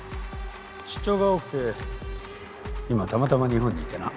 出張が多くて今たまたま日本にいてな。